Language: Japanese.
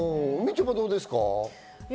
みちょぱ、どうですか？